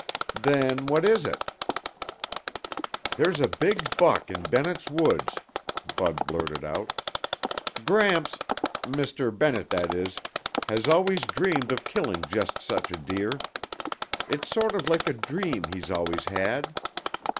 "Then what is it?" "There's a big buck in Bennett's Woods," Bud blurted out. "Gramps Mr. Bennett, that is has always dreamed of killing just such a deer. It's sort of like a dream he's always had.